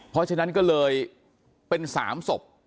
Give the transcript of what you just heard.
เพราะฉะนั้นก็เลยเป็น๓ศพ